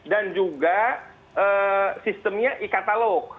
dan juga sistemnya e katalog